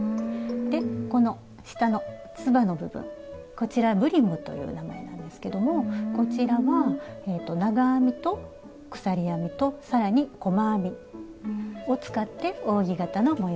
でこの下のつばの部分こちら「ブリム」という名前なんですけどもこちらは長編みと鎖編みと更に細編みを使って扇形の模様を作ってます。